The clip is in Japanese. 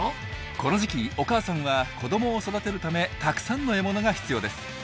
この時期お母さんは子どもを育てるためたくさんの獲物が必要です。